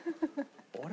あれ？